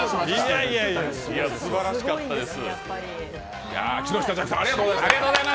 すばらしかったです。